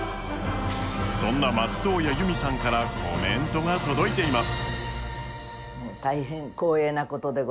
そんな松任谷由実さんからコメントが届いています。